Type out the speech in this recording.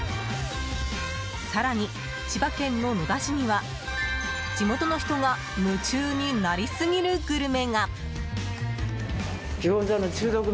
更に、千葉県の野田市には地元の人が夢中になりすぎるグルメが。